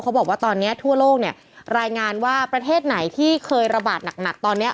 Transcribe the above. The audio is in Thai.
บอกว่าตอนนี้ทั่วโลกเนี่ยรายงานว่าประเทศไหนที่เคยระบาดหนักตอนนี้